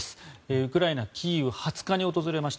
ウクライナ・キーウ２０日に訪れました。